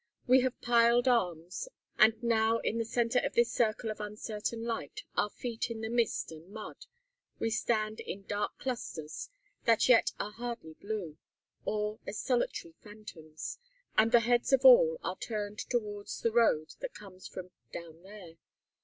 We have piled arms, and now, in the center of this circle of uncertain light, our feet in the mist and mud, we stand in dark clusters (that yet are hardly blue), or as solitary phantoms; and the heads of all are turned towards the road that comes from "down there."